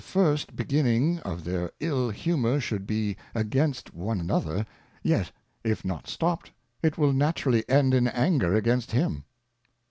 first beginning of their III Humour should be against one another, yet if not stopt, it will naturally end in Anger against him.